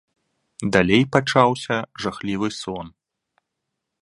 Далей пачаўся жахлівы сон.